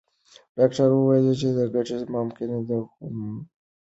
ډاکټره وویل چې ګټې ممکنه دي، خو علمي ثبوت محدود دی.